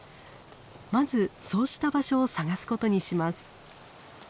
まずそうした場所を探すことにします。